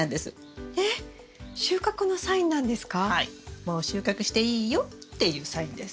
もう収穫していいよっていうサインです。